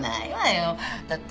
だって。